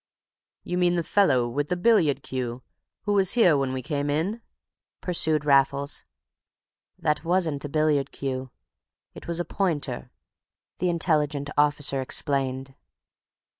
"You mean the fellow with the billiard cue who was here when we came in?" pursued Raffles. "That wasn't a billiard cue! It was a pointer," the intelligent officer explained.